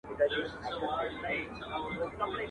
اشو ښه ده که گله، مه يوه ووينې مه بله.